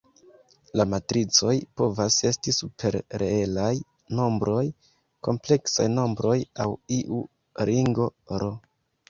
La matricoj povas esti super reelaj nombroj, kompleksaj nombroj aŭ iu ringo "R".